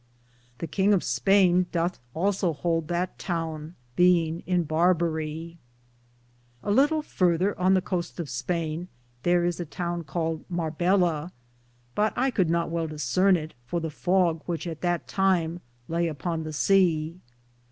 The kinge of Spayne Dothe also houlde that toune, beinge in Barberie. A litle further on the Coste of Spayne thar is a Towne caled Marvels,^ but I could not well disarne it for the fogge which at that time Laye upon the seae.